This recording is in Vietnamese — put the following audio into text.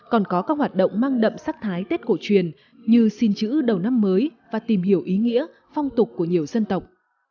còn có các hoạt động mang đậm sắc thái tết cổ truyền như xin chữ đầu năm mới và tìm hiểu ý nghĩa phong tục của nhiều dân tộc